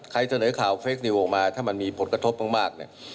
เสนอข่าวเฟคนิวออกมาถ้ามันมีผลกระทบมากเนี่ย